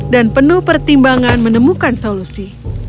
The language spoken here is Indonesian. dan penuh pertimbangan menemukan solusi